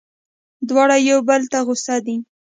دواړه یو بل ته غوسه دي.